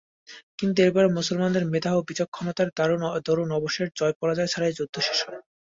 কিন্তু এরপরেও মুসলমানদের মেধা ও বিচক্ষণতার দরুন অবশেষে জয়-পরাজয় ছাড়াই যুদ্ধ শেষ হয়।